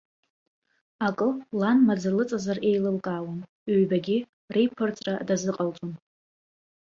Акы, лан маӡа лыҵазар еилылкаауан, ҩбагьы, реиԥырҵра дазыҟалҵон.